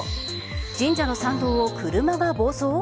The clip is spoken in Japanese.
神社の参道を車が暴走？